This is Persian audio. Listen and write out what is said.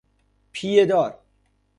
پیه دار